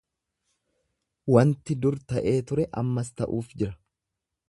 wanti dur ta'ee ture ammas ta'uuf jira;